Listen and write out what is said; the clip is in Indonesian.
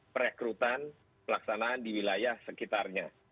perekrutan pelaksanaan di wilayah sekitarnya